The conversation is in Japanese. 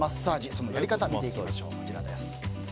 そのやり方見てきましょう。